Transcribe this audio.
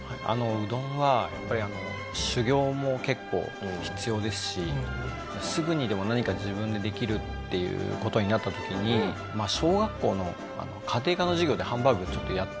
うどんはやっぱりあの修業も結構必要ですしすぐにでも何か自分でできるっていう事になった時に小学校の家庭科の授業でハンバーグをちょっとやって。